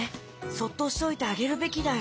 そっとしておいてあげるべきだよ。